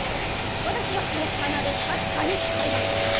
私はこの鼻で確かに嗅いだんです！